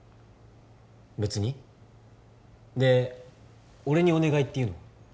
別にで俺にお願いっていうのは？